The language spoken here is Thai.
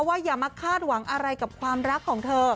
อย่ามาคาดหวังอะไรกับความรักของเธอ